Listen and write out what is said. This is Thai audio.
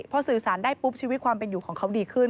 พอสื่อสารได้ปุ๊บชีวิตความเป็นอยู่ของเขาดีขึ้น